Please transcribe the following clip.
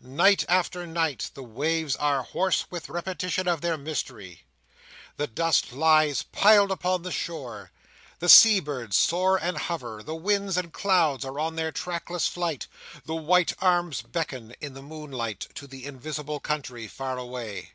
Night after night, the waves are hoarse with repetition of their mystery; the dust lies piled upon the shore; the sea birds soar and hover; the winds and clouds are on their trackless flight; the white arms beckon, in the moonlight, to the invisible country far away.